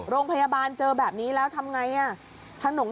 โรงพยาบาลเจอแบบนี้แล้วทำไง